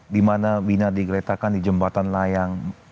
dimana vina digeretakan di jembatan layang